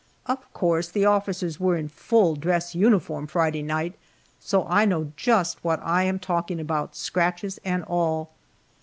Of course the officers were in full dress uniform Friday night, so I know just what I am talking about, scratches and all.